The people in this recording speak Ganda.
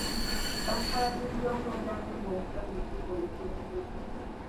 Bakkaanyizza okulonda mmemba omupya ku lukiiko olukulembeze.